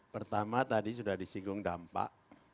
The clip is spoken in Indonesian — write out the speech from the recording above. pertama tadi sudah disinggung dampak